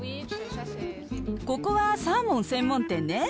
ここはサーモン専門店ね。